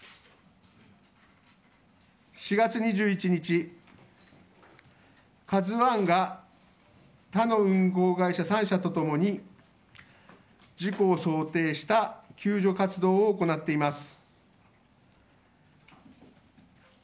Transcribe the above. ４月２１日、「ＫＡＺＵ１」が他の運航会社３社と共に事故を想定した救助活動を行っています。